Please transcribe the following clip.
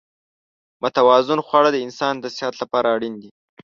متوازن خواړه د انسان د صحت لپاره اړین دي.